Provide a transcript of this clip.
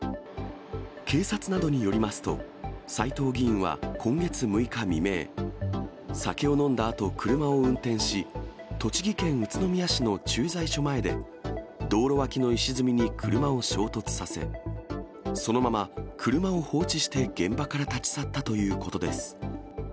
警察などによりますと、斉藤議員は今月６日未明、酒を飲んだあと車を運転し、栃木県宇都宮市の駐在所前で、道路脇の石積みに車を衝突させ、そのまま車を放置して現場から立ち去ったということです。